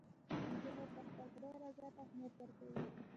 مجاهد د خپل خدای رضا ته اهمیت ورکوي.